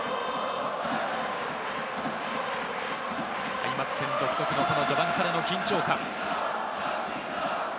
開幕戦独特の序盤からの緊張感。